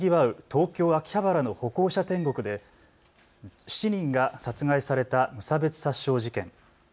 東京秋葉原の歩行者天国で７人が殺害された無差別殺傷事件。